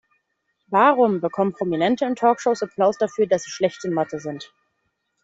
Warum bekommen Prominente in Talkshows Applaus dafür, dass sie schlecht in Mathe sind?